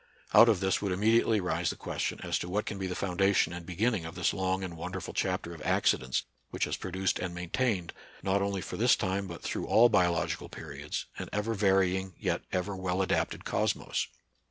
Out of this would imme diately rise the question as to what can be the foundation and beginning of this long and won derful chapter of accidents which has produced and maintained, not only for this time but through all biological periods, an ever varying yet ever well adapted cosmos.